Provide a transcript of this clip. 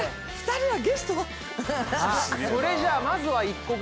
２人ゲスト！